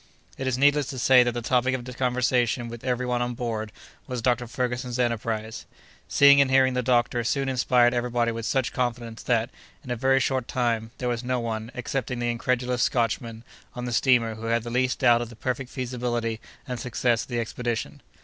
It is needless to say that the topic of conversation with every one on board was Dr. Ferguson's enterprise. Seeing and hearing the doctor soon inspired everybody with such confidence that, in a very short time, there was no one, excepting the incredulous Scotchman, on the steamer who had the least doubt of the perfect feasibility and success of the expedition.